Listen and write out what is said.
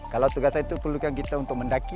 kalau tugasan itu perlukan kita untuk mendaki